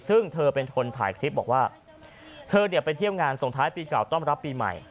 ซึ่งเธอเป็นคนถ่ายคลิปบอกว่าเธอเนี่ยไปเที่ยวงานส่งท้ายปีเก่าต้อนรับปีใหม่